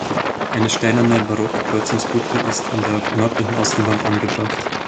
Eine steinerne barocke Kreuzigungsgruppe ist an der nördlichen Außenwand angebracht.